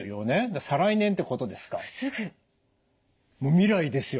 未来ですよ